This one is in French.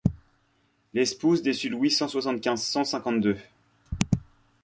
L’espouse déçue Louis cent soixante-quinze cent cinquante-deux.